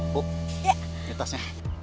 bu ini tasnya